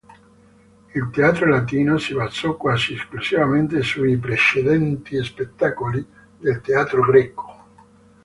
Il teatro latino si basò quasi esclusivamente sui precedenti spettacoli del teatro greco.